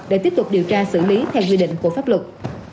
để tiếp tục điều tra xử lý theo quy định của pháp luật